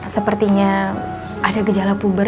sepertinya ada gejala puber